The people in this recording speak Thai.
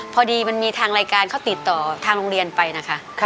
พอดีมันมีทางรายการเขาติดต่อทางโรงเรียนไปนะคะ